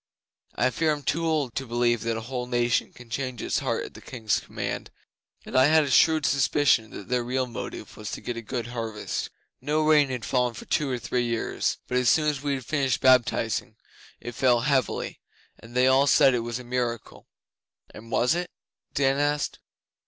I fear I'm too old to believe that a whole nation can change its heart at the King's command, and I had a shrewd suspicion that their real motive was to get a good harvest. No rain had fallen for two or three years, but as soon as we had finished baptizing, it fell heavily, and they all said it was a miracle.' 'And was it?' Dan asked.